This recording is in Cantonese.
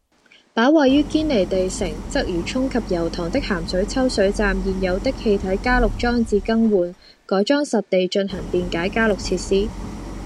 把位於堅尼地城、鰂魚涌及油塘的鹹水抽水站現有的氣體加氯裝置更換，改裝實地進行電解加氯設施